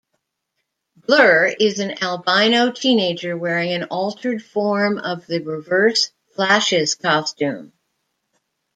Blur is an albino teenager wearing an altered form of the Reverse Flash's costume.